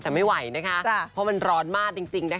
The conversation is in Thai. แต่ไม่ไหวนะคะเพราะมันร้อนมากจริงนะคะ